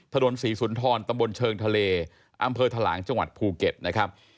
ถนนศรีสุนทรตำบลเชิงทะเลอำเภอทะหลางจังหวัดภูเก็ตนะครับ